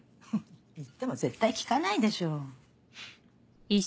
言っても絶対聞かないでしょ。